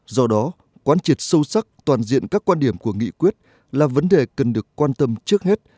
do đó quán triệt sâu sắc toàn diện các quan điểm của nghị quyết là vấn đề cần được quan tâm trước hết